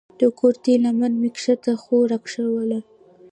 د کورتۍ لمن مې کښته خوا راکښوله.